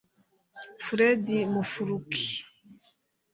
Fred Mufurukye